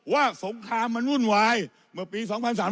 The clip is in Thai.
สงครามมันวุ่นวายเมื่อปี๒๓๔